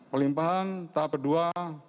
pelimpahan tahap kedua